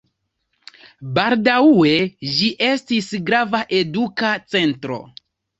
Baldaŭe ĝi estis grava eduka centro.